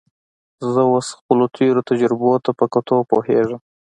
زه اوس خپلو تېرو تجربو ته په کتو پوهېږم.